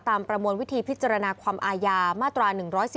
ประมวลวิธีพิจารณาความอาญามาตรา๑๑๒